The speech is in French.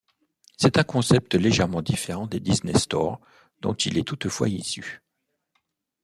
C'est un concept légèrement différent des Disney Store dont il est toutefois issu.